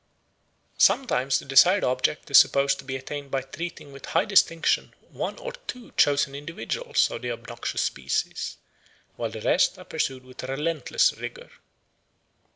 Sometimes the desired object is supposed to be attained by treating with high distinction one or two chosen individuals of the obnoxious species, while the rest are pursued with relentless rigour.